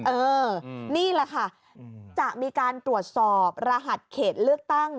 เออนี่แหละค่ะจะมีการตรวจสอบรหัสเขตเลือกตั้ง